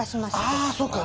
ああそっか。